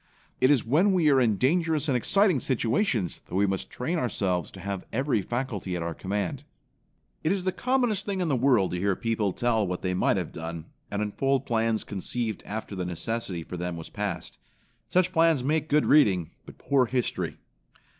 It is when we are in dangerous and exciting situations that we must train ourselves to have every faculty at our command. It is the commonest thing in the world to hear people tell what they might have done, and unfold plans conceived after the necessity for them was past. Such plans make good reading, but poor history.